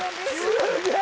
すげえ！